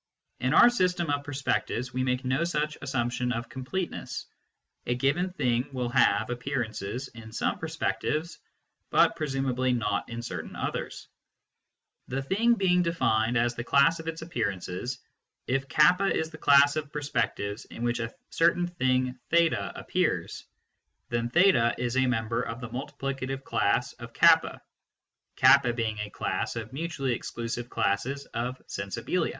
In our system of perspectives, we make no such assumption of completeness. A given thing will have appearances in some perspectives, but presumably not in certain others. The " thing " being defined as the class of its appearances, if K is the class of perspectives in which a certain thing appears, then is a member of the multiplicative class of AC , K being a class ol mutually exclusive classes of " sensibilia."